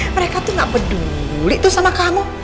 mereka tuh gak peduli tuh sama kamu